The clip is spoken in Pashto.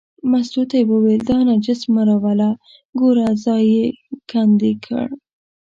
مستو ته یې وویل دا نجس مه راوله، ګوره ځای یې کندې کړ.